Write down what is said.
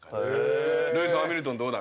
「ルイス・ハミルトンどうだ？」